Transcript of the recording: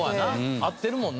合ってるもんな。